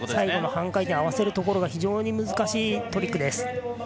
最後の半回転合わせるところが非常に難しいトリックです。